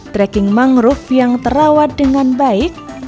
trekking mangrove yang terawat dengan baik